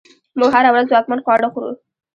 موږ هره ورځ ځواکمن خواړه خورو.